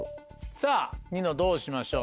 さぁニノどうしましょう？